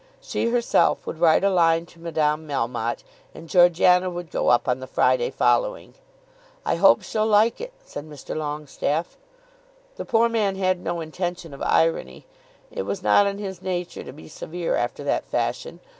She herself would write a line to Madame Melmotte, and Georgiana would go up on the Friday following. "I hope she'll like it," said Mr. Longestaffe. The poor man had no intention of irony. It was not in his nature to be severe after that fashion.